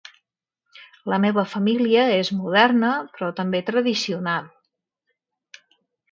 La meva família és moderna però també tradicional.